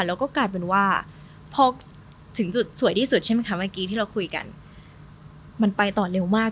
แล้วก็กลายเป็นว่าพอถึงจุดสวยที่สุดใช่ไหมคะเมื่อกี้ที่เราคุยกันมันไปต่อเร็วมาก